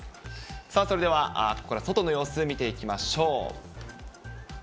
さあ、それではここから外の様子見ていきましょう。